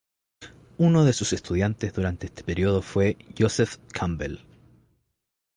Uno de sus estudiantes durante este período fue Joseph Campbell.